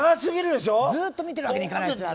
ずっと見てるわけにいかないから。